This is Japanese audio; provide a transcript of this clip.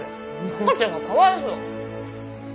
赤ちゃんがかわいそう。